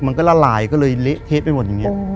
มันก็ละหลายก็เลยเละเพชรไปหมดอย่างนี้